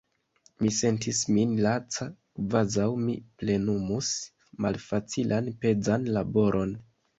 Mi sentis min laca, kvazaŭ mi plenumus malfacilan pezan laboron.